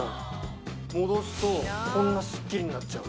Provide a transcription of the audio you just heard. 戻すと、こんなすっきりになっちゃう。